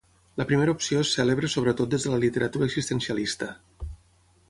La primera opció és cèlebre sobretot des de la literatura existencialista.